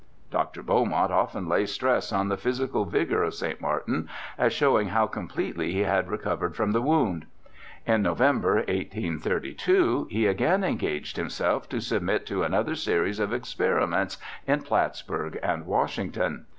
Dr. Beaumont often lays stress on the physical vigour of St. Martin as showing how completely he had recovered from the wound. In November, 1832, he again engaged himself to submit to another series of experiments in Plattsburgh and Washington.